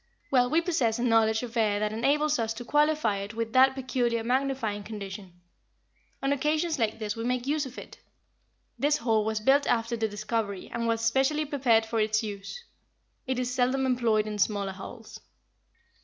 Well, we possess a knowledge of air that enables us to qualify it with that peculiar magnifying condition. On occasions like this we make use of it. This hall was built after the discovery, and was specially prepared for its use. It is seldom employed in smaller halls."